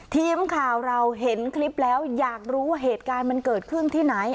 ทีมข่าวเราเห็นคลิปแล้วอยากรู้ว่าเหตุการณ์มันเกิดขึ้นที่ไหน